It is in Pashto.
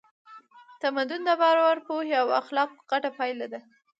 تمدن د باور، پوهې او اخلاقو ګډه پایله ده.